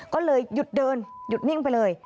ก็เลยหยุดเดินหยุดนิ่งไปเลย